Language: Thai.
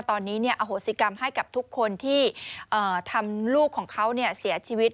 ตอนนี้อโหสิกรรมให้กับทุกคนที่ทำลูกของเขาเสียชีวิต